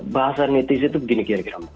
bahasa netizen itu begini kira kira mbak